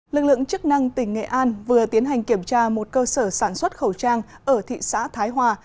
lực lượng chức năng tỉnh nghệ an vừa tiến hành kiểm tra một cơ sở sản xuất khẩu trang ở thị xã thái hòa